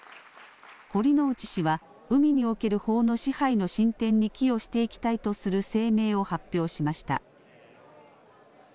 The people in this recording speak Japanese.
堀之内氏は海における法の支配の進展に寄与していきたいとする声明を発表しました。